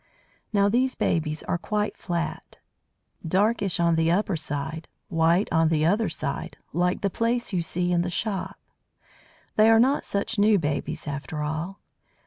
Now these babies are quite flat, darkish on the upper side, white on the other side, like the Plaice you see in the shop. They are not such new babies after all.